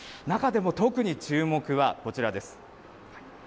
中でも、特に注目は、こちらです。